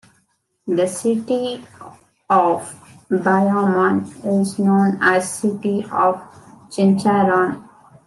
The city of Bayamon is known as "City of Chicharron".